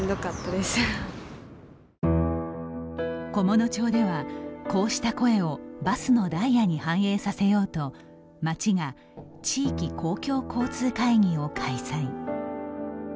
菰野町では、こうした声をバスのダイヤに反映させようと町が地域公共交通会議を開催。